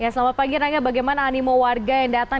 selamat pagi rangga bagaimana animo warga yang datang